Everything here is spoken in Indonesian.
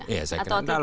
ya saya kira tidak